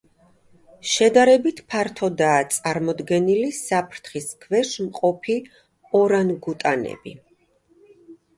შედარებით ფართოდაა წარმოდგენილი საფრთხის ქვეშ მყოფი ორანგუტანები.